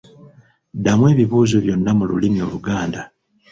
Ddamu ebibuuzo byonna mu lulimi Oluganda.